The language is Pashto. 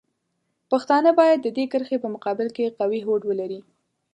پښتانه باید د دې کرښې په مقابل کې قوي هوډ ولري.